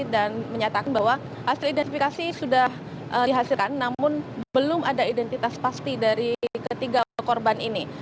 menyatakan bahwa hasil identifikasi sudah dihasilkan namun belum ada identitas pasti dari ketiga korban ini